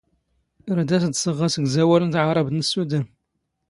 ⵔⴰⴷ ⴰⵙ ⴷ ⵙⵖⵖ ⴰⵙⴳⵣⴰⵡⴰⵍ ⵏ ⵜⵄⵕⴰⴱⵜ ⵏ ⵙⵙⵓⵏⴷⴰⵏ.